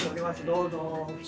どうぞ。